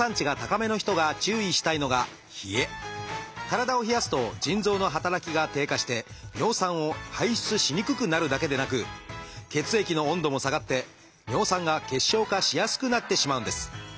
体を冷やすと腎臓の働きが低下して尿酸を排出しにくくなるだけでなく血液の温度も下がって尿酸が結晶化しやすくなってしまうんです。